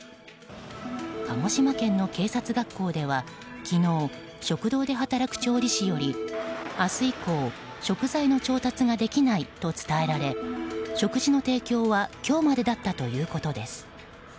鹿児島県の警察学校では昨日、食堂で働く調理師より明日以降食材の調達ができないと伝えられ食事の提供は今日までだったということです。